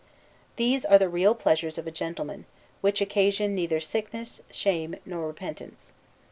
These are the real pleasures of a gentleman; which occasion neither sickness, shame, nor repentance.